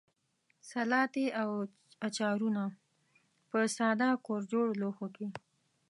سلاتې او اچارونه په ساده کورجوړو لوښیو کې.